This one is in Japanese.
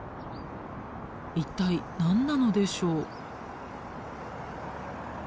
一体何なのでしょう？